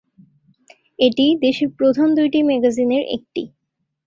এটি দেশের প্রধান দুইটি ম্যাগাজিনের একটি।